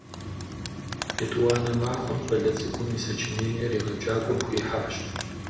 Етӏуанэ махуэм щӏалэ цӏыкӏум и сочиненэр егъэджакӏуэм хуихьащ.